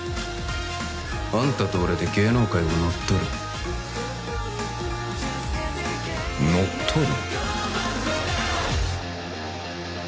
あんたと俺で芸能界を乗っ取る乗っ取る？